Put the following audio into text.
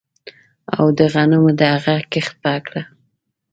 او د غنمو د هغه کښت په هکله